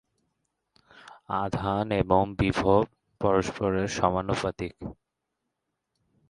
আধান এবং বিভব পরস্পরের সমানুপাতিক।